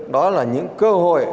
đó là những cơ hội